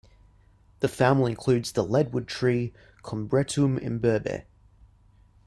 The family includes the leadwood tree, "Combretum imberbe".